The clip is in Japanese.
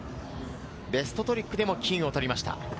ベストトリックでも金を取りました。